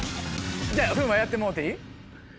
じゃあ風磨やってもろうていい？